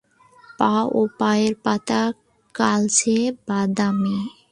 পা ও পায়ের পাতা কালচে বাদামি।